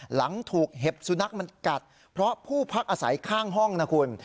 หลังถูกเห็บสุนัขมันกัดเพราะผู้พักอาศัยข้างห้องนะคุณ